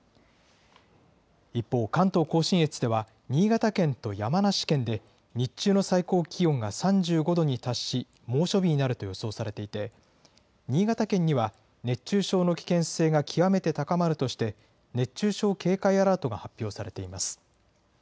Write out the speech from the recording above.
一方、関東甲信越では新潟県と山梨県で日中の最高気温が３５度に達し、猛暑日になると予想されていて、新潟県には熱中症の危険性が極めて高まるとして、熱中症警戒アラートが発表されています。